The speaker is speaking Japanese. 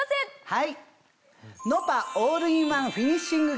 はい。